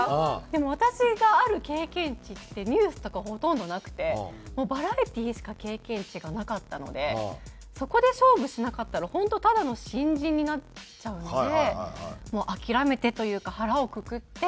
でも私がある経験値ってニュースとかほとんどなくてバラエティーしか経験値がなかったのでそこで勝負しなかったら本当ただの新人になっちゃうので諦めてというか腹をくくって。